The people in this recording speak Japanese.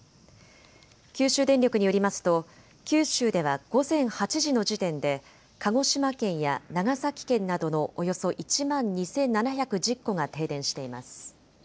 九州電力によりますと九州では午前８時の時点で鹿児島県や長崎県などのおよそ１万２７１０戸が停電しています。